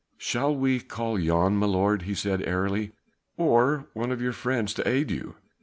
"Shall we call Jan, my lord," he said airily, "or one of your friends to aid you?